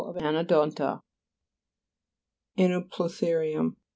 of Anodonta. ANOPLOTHE'IUUM fr.